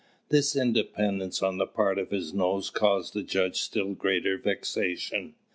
This independence on the part of his nose caused the judge still greater vexation.